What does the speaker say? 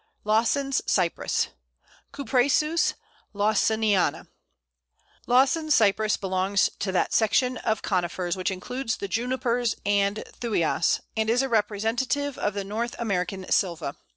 ] Lawson's Cypress (Cupressus lawsoniana). Lawson's Cypress belongs to that section of Conifers which includes the Junipers and Thuias, and is a representative of the North American Sylva.